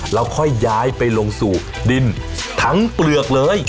แล้วค่อยย้ายไปลงสู่ดินทั้งเปลือกเลย